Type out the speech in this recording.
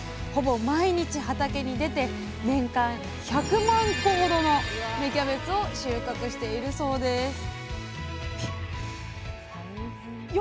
ほぼ毎日畑に出て年間１００万個ほどの芽キャベツを収穫しているそうです